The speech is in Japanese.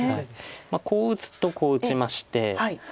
こう打つとこう打ちまして。